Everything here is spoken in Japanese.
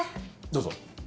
どうぞ。